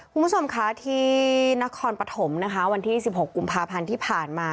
คุณผู้ชมคะที่นครปฐมนะคะวันที่๑๖กุมภาพันธ์ที่ผ่านมา